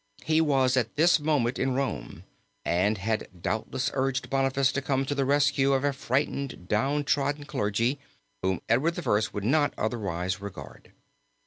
He was at this moment in Rome, and had doubtless urged Boniface to come to the rescue of a frightened, down trodden clergy, whom Edward I. would not otherwise regard.